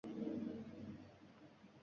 O’lgan bo’lamiz